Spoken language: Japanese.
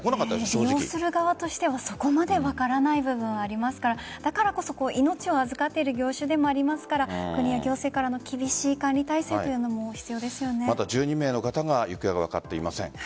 利用する側としてはそこまで分からない部分ありますからだからこそ、命を預かっている業種でもありますから国や行政からの厳しい管理体制まだ１２名の方の行方が分かっていません。